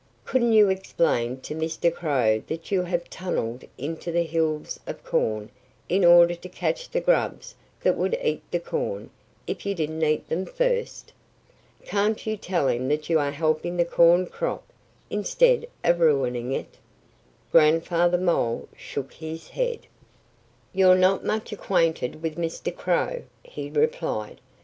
"Couldn't you explain to Mr. Crow that you have tunnelled into the hills of corn in order to catch the grubs that would eat the corn if you didn't eat them first? Can't you tell him that you are helping the corn crop, instead of ruining it?" Grandfather Mole shook his head. "You're not much acquainted with Mr. Crow," he replied.